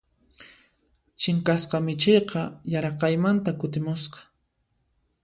Chinkasqa michiyqa yaraqaymanta kutimusqa.